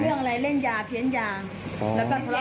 เล่นยาพีเทียสยา